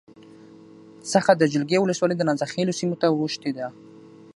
څخه د جلگې ولسوالی دنازک خیلو سیمې ته اوښتې ده